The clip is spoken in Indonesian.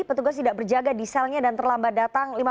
petugas tidak berjaga di selnya dan terlambat datang